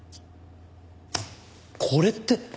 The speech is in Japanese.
これって。